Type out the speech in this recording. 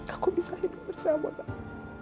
aku bisa hidup bersama pak